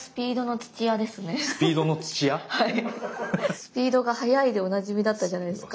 スピードが速いでおなじみだったじゃないですか。